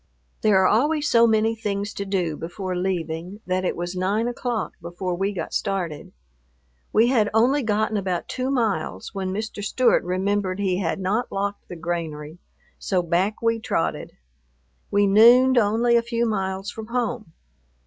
There are always so many things to do before leaving that it was nine o'clock before we got started. We had only gotten about two miles, when Mr. Stewart remembered he had not locked the granary, so back we trotted. We nooned only a few miles from home.